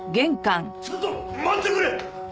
ちょっと待ってくれ！